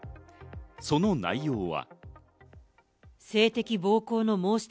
その内容は。